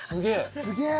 すげえ。